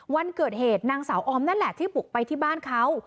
วันเกิดเหตุนางสาวออมนั่นแหละที่บุกไปที่บ้านเขา